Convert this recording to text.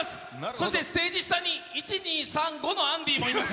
そしてステージ下に、１、２、３、５のアンディーもいます。